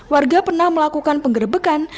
warga pernah melakukan penggerebekan